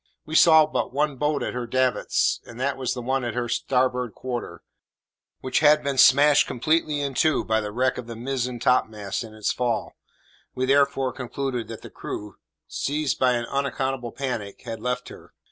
We saw but one boat at her davits, and that was the one at her starboard quarter, which bad been smashed completely in two by the wreck of the mizzen topmast in its fall; we therefore concluded that the crew, seized by an unaccountable panic, had left her.